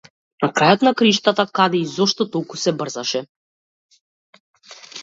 На крајот на краиштата, каде и зошто толку се брзаше?